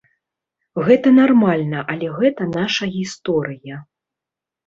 Гэта нармальна, але гэта наша гісторыя.